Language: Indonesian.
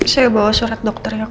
saya bawa surat dokternya kok